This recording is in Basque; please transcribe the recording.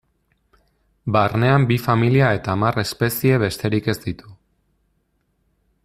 Barnean bi familia eta hamar espezie besterik ez ditu.